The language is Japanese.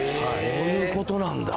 そういう事なんだ。